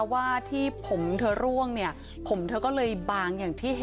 ว่าที่ผมเธอร่วงเนี่ยผมเธอก็เลยบางอย่างที่เห็น